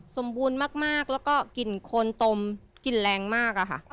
สมบูรณ์มากแล้วก็กลิ่นโคนตมกลิ่นแรงมากอะค่ะ